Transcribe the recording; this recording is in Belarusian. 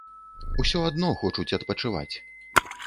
Усё адно хочуць адпачываць.